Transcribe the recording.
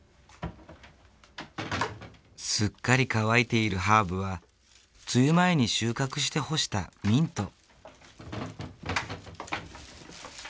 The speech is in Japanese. すっかり乾いているハーブは梅雨前に収穫して干したミント。